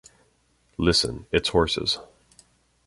Listen, it's horses.